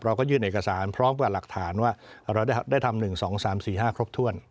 เราก็ยื่นเอกสารพร้อมกับหลักฐานว่าเราได้ทำ๑๒๓๔๕ครบถ้วน